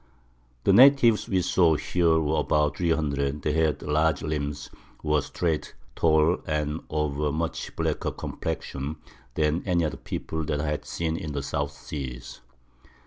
The Natives we saw here were about 300, they had large Limbs, were straight, tall, and of a much blacker Complexion than any other People that I had seen in the South Seas.